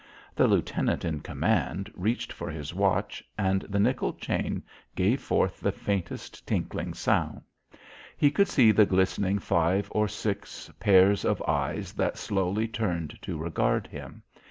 The lieutenant in command reached for his watch and the nickel chain gave forth the faintest tinkling sound. He could see the glistening five or six pairs of eyes that slowly turned to regard him.